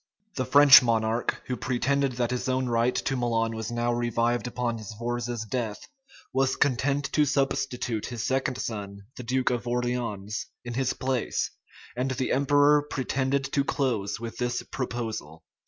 The French monarch, who pretended that his own right to Milan was now revived upon Sforza's death, was content to substitute his second son, the duke of Orleans, in his place; and the emperor pretended to close with this proposal.